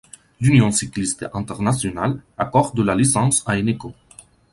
L'Union cycliste internationale accorde la licence à Eneco.